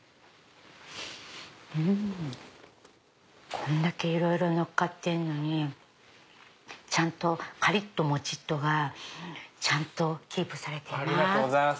こんだけいろいろのっかってんのにちゃんとカリっとモチっとがちゃんとキープされています。